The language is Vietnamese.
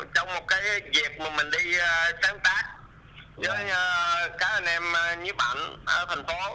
trong một cái dịp mà mình đi sáng tác với các anh em như bạn ở thành phố